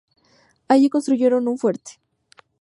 Allí construyeron un fuerte.